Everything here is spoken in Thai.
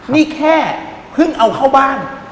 นี่แค่เพิ่งเอาเข้าบ้าน